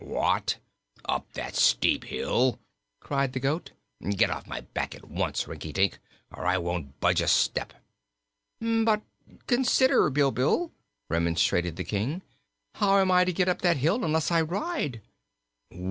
"What! Up that steep hill?" cried the goat. "Get off my back at once, Rinkitink, or I won't budge a step. "But consider, Bilbil," remonstrated the King. "How am I to get up that hill unless I ride?"